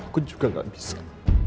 aku juga gak bisa